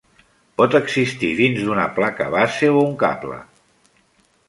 Pot existir dins d'una placa base o un cable.